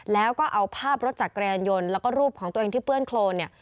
แล้วก็เอาภาพรถจักรยานยนต์แล้วก็รูปของตัวเองที่เปื้อนโครนเนี่ย